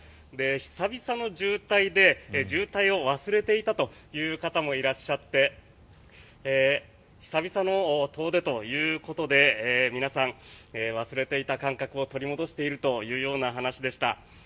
久々の渋滞で、渋滞を忘れていたという方もいらっしゃって久々の遠出ということで皆さん、忘れていた感覚を取り戻しているというような話でした。